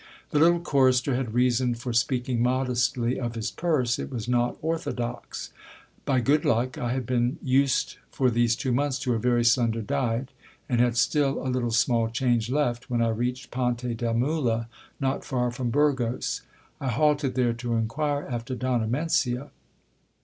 The little chorister had reason for speaking modestly of his purse, it was not orthodox. By good luck, I had been used for these two months to a very slender diet, and had still a little small change left when I reached Ponte de Mula, not far from Burgos. I halted there to inquire after Donna Mencia.